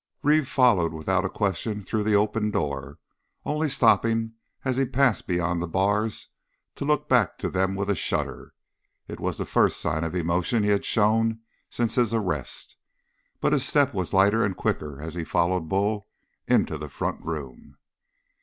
Reeve followed without a question through the open door, only stopping as he passed beyond the bars, to look back to them with a shudder. It was the first sign of emotion he had shown since his arrest. But his step was lighter and quicker as he followed Bull into the front room.